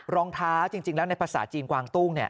รองเท้าจริงแล้วในภาษาจีนกวางตุ้ง